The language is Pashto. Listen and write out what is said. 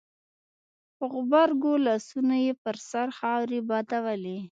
په غبرګو لاسونو يې پر سر خاورې بادولې.